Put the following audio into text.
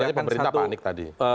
tapi tadi katanya pemerintah panik tadi